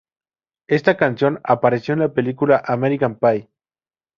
Esta canción apareció en la película American Pie.